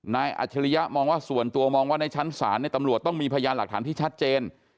อัจฉริยะมองว่าส่วนตัวมองว่าในชั้นศาลตำรวจต้องมีพยานหลักฐานที่ชัดเจน